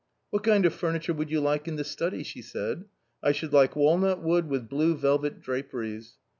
" What kind of furniture would you like in the study ?" she said. " I should like walnut wood with blue velvet draperies."